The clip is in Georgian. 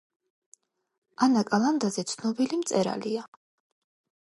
ანა კალანდაძე ცნობილი მწერალია